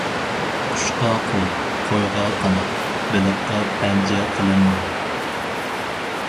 قۇشقا قول، قويغا قانات، بېلىققا پەنجە قىلىنمىغان.